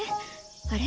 あれ？